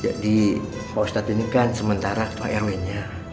jadi pak ustadz ini kan sementara prw nya